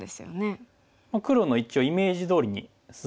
黒の一応イメージどおりに進んでますかね。